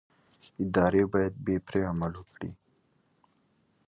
ادارې باید بې پرې عمل وکړي